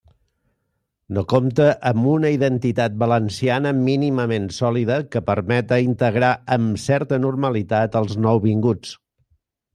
No compta amb una identitat valenciana mínimament sòlida que permeta integrar amb certa normalitat els nouvinguts.